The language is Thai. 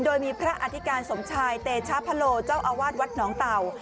โดยมีพระอธิการสมชายเตชะพะโลเจ้าอาวาสวัดหนองเต่า